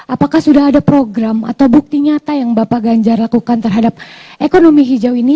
apakah sudah ada program atau bukti nyata yang bapak ganjar lakukan terhadap ekonomi hijau ini